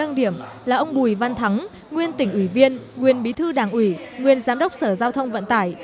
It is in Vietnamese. nâng điểm là ông bùi văn thắng nguyên tỉnh ủy viên nguyên bí thư đảng ủy nguyên giám đốc sở giao thông vận tải